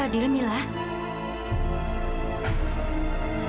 dia merasa sedih